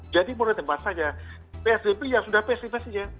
jadi menurut saya psbb ya sudah psbb saja